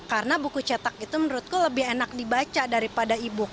karena buku cetak itu menurutku lebih enak dibaca daripada e book